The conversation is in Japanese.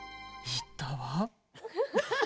言ったわ。